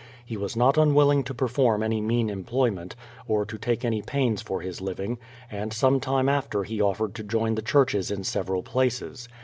He was not unwilling to perform any mean employment, or to take any pains for his living; and some time after he offered to join the churches in several places.